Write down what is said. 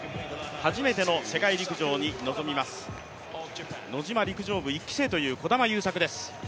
初めての世界陸上に臨みますノジマ陸上部１期生という児玉悠作です。